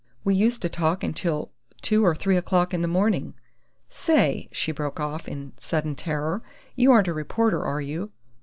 We used to talk until two or three o'clock in the morning Say!" she broke off, in sudden terror. "You aren't a reporter, are you?"